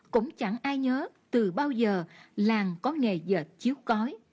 không ai trong làng biết từ bao giờ làng có nghề dệt chiếu cói